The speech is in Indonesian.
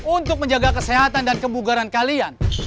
untuk menjaga kesehatan dan kebugaran kalian